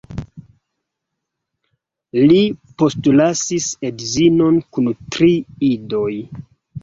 Li postlasis edzinon kun tri idoj.